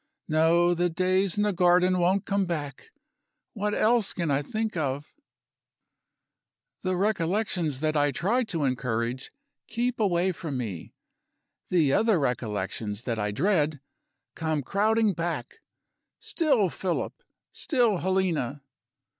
No: the days in the garden won't come back. What else can I think of? ....... The recollections that I try to encourage keep away from me. The other recollections that I dread, come crowding back. Still Philip! Still Helena!